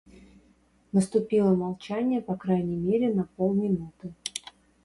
Наступило молчание по крайней мере на полминуты.